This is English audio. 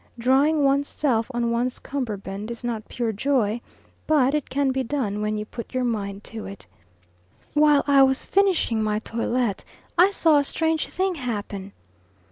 Drying one's self on one's cummerbund is not pure joy, but it can be done when you put your mind to it. While I was finishing my toilet I saw a strange thing happen.